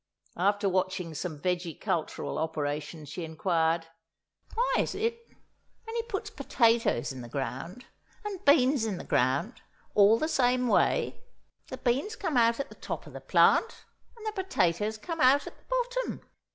After watching some vegecultural operations she inquired: "Why is it, when he puts potatoes in the ground and beans in the ground all the same way, the beans come out at the top of the plant and the potatoes come out at the bottom?"